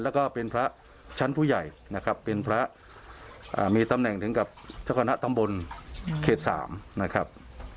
แล้วก็เป็นพระชั้นผู้ใหญ่นะครับเป็นพระมีตำแหน่งถึงกับเจ้าคณะตำบลเขต๓นะครับ